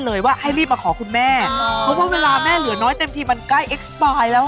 เลยว่าให้รีบมาขอคุณแม่เพราะว่าเวลาแม่เหลือน้อยเต็มทีมันใกล้เอ็กซ์ปอยแล้ว